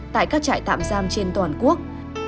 tại các trại tạm giam trên toàn quốc